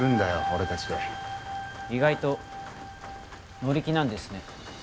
俺達で意外と乗り気なんですね